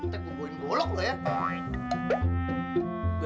tek nungguin bolok lo ya